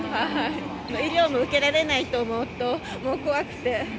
もう医療も受けられないと思うと、もう怖くて。